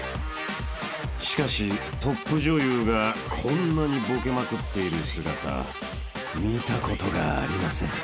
［しかしトップ女優がこんなにボケまくっている姿見たことがありません］